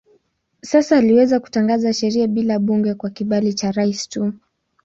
Sasa aliweza kutangaza sheria bila bunge kwa kibali cha rais tu.